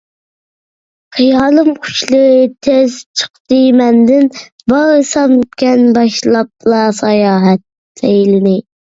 خىيالىم قۇشلىرى تېز چىقتى مەندىن، بارسامكەن باشلاپلا ساياھەت سەيلىنى.